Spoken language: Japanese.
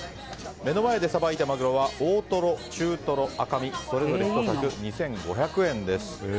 目の前でさばいたマグロは大トロ、中トロ、赤身それぞれ１柵２５００円です。